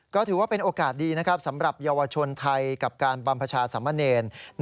ก็ถือว่าเป็นโอกาสดีนะครับสำหรับเยาวชนไทยกับการบรรพชาสมเนร